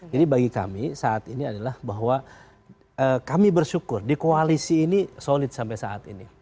jadi bagi kami saat ini adalah bahwa kami bersyukur di koalisi ini solid sampai saat ini